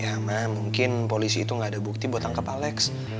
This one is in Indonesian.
ya ma mungkin polisi itu gak ada bukti buat tangkep alex